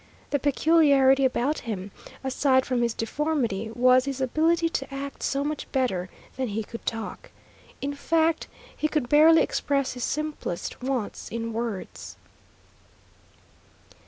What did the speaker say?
The peculiarity about him, aside from his deformity, was his ability to act so much better than he could talk. In fact he could barely express his simplest wants in words.